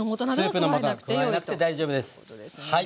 スープのもとは加えなくて大丈夫です。